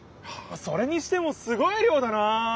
それにしてもすごい量だな！